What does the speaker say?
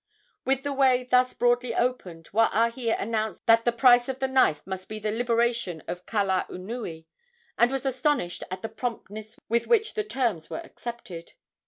With the way thus broadly opened, Waahia announced that the price of the knife must be the liberation of Kalaunui, and was astonished at the promptness with which the terms were accepted.